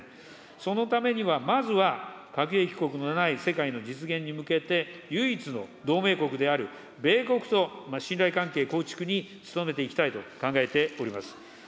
そのためには、まずは、核兵器国のない世界の実現に向けて、唯一の同盟国である米国と信頼関係構築に努めていきたいと考えております。